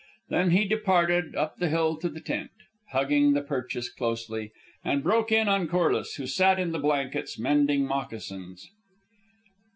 Then he departed up the hill to the tent, hugging the purchase closely, and broke in on Corliss, who sat in the blankets mending moccasins.